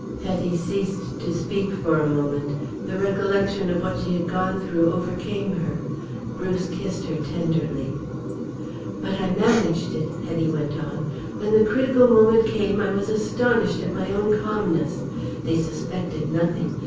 Hetty ceased to speak for a moment. The recollection of what she had gone through overcame her. Bruce kissed her tenderly. "But I managed it," Hetty went on. "When the critical moment came I was astonished at my own calmness. They suspected nothing.